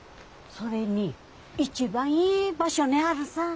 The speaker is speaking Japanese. それに一番いい場所にあるさぁ。